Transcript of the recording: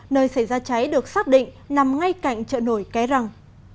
nơi xảy ra cháy được xác định nằm ngay cạnh chợ nổi ké răng